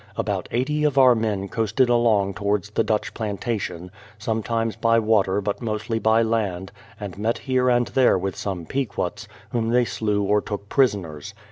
About 80 of our men coasted along towards the Dutch planta tion, sometimes by water but mostly by land, and met here and there with some Pequots, whom they slew or took prisoners.